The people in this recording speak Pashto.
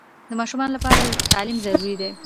د ماشومانو لپاره تعلیم ضروري ده